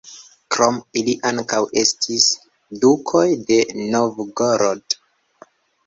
Krom ili ankaŭ estis dukoj de Novgorod.